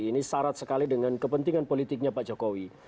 ini syarat sekali dengan kepentingan politiknya pak jokowi